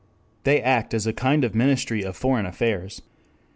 They act as a kind of ministry of foreign affairs.